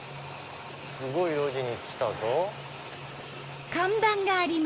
すごい路地に来たぞ。